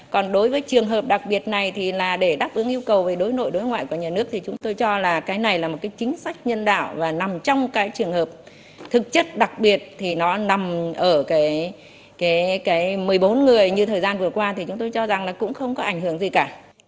còn đối với trường hợp đặc biệt này thì là để đáp ứng yêu cầu về đối nội đối ngoại của nhà nước thì chúng tôi cho là cái này là một cái chính sách nhân đạo và nằm trong cái trường hợp thực chất đặc biệt thì nó nằm ở cái một mươi bốn người như thời gian vừa qua thì chúng tôi cho rằng là cũng không có ảnh hưởng gì cả